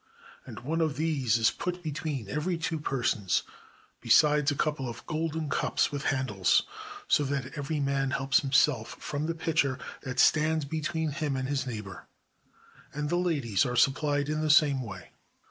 And one of these is put between every two persons, besides a couple of golden cups with handles, so that every man helps himself from the pitcher that stands between him and his neighbor. And the ladies are supplied in the same way.